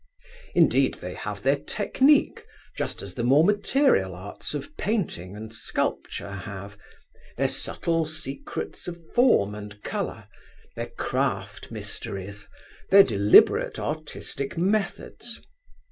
Indeed, they have their technique, just as the more material arts of painting and sculpture have, their subtle secrets of form and colour, their craft mysteries, their deliberate artistic methods.